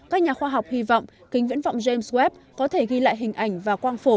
các nhà khoa học hy vọng kính viễn vọng james squad có thể ghi lại hình ảnh và quang phổ